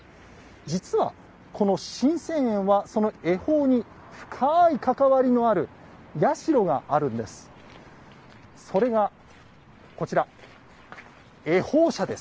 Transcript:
実は、この神泉苑は恵方に深い関わりのある社があるんです。